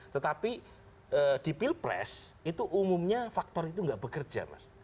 tetapi di pilpres itu umumnya faktor itu nggak bekerja mas